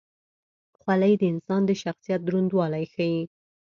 خولۍ د انسان د شخصیت دروندوالی ښيي.